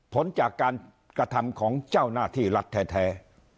ผลจากการกระทำของเจ้าหน้าที่รัฐแท้